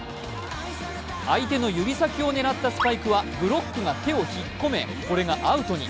相手の指先を狙ったスパイクはブロックが手を引っ込めこれがアウトに。